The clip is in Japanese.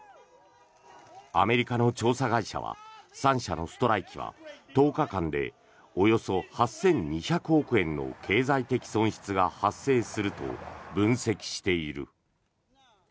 アメリカの調査会社は３社のストライキは１０日間でおよそ８２００億円の経済的損失が発生すると分析している。